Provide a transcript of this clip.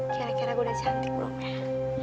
kira kira udah cantik belum ya